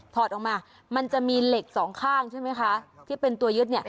ถอดออกมามันจะมีเหล็กสองข้างใช่ไหมคะที่เป็นตัวยึดเนี่ย